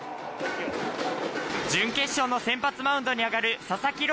準決勝の先発マウンドに上がる佐々木朗